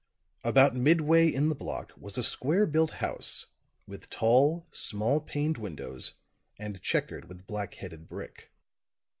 About midway in the block was a square built house with tall, small paned windows and checkered with black headed brick.